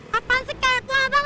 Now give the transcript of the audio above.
kapan sih kepo abang